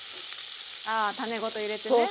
ああ種ごと入れてね。